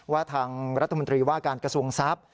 ว่าทางรัฐมนตรีว่าการกระทรวงทรัพย์